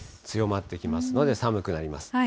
強まってきますので、寒くなります。